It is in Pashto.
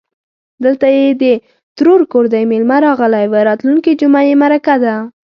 _دلته يې د ترور کور دی، مېلمه راغلی و. راتلونکې جومه يې مرکه ده.